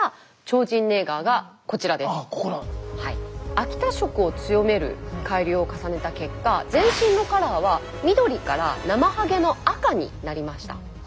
秋田色を強める改良を重ねた結果全身のカラーは緑からなまはげの赤になりました。